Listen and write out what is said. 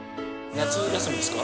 夏休みですか？